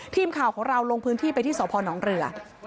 ทีมข่าวของเราลงพื้นที่ไปที่สพนเรือ